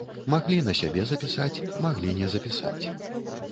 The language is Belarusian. Маглі на сябе запісаць, маглі не запісаць.